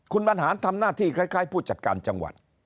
คุณบรรหารทำหน้าที่คล้ายผู้จัดการจังหวัด